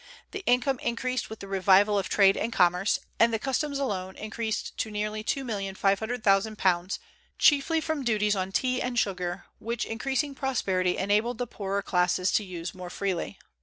The income increased with the revival of trade and commerce, and the customs alone increased to nearly £2,500,000, chiefly from duties on tea and sugar, which increasing prosperity enabled the poorer classes to use more freely.